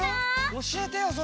おしえてよそれ！